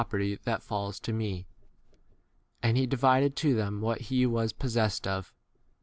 perty that falls [to me]. And he divided to them what he was pos 13 sessed of.